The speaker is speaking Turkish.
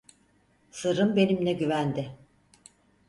Sırrın benimle güvende.